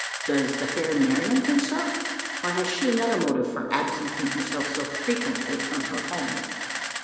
Does the fair Marian think so? Or has she another motive for absenting herself so frequently from her home?